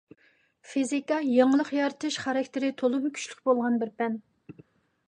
فىزىكا — يېڭىلىق يارىتىش خاراكتېرى تولىمۇ كۈچلۈك بولغان بىر پەن.